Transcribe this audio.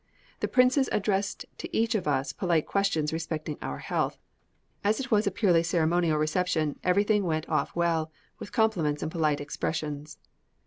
The princes addressed to each of us polite questions respecting our health. As it was a purely ceremonial reception, everything went off well, with compliments and polite expressions.